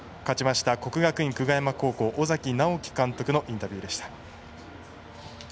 勝ちました国学院久我山高校尾崎直輝監督のインタビューでした。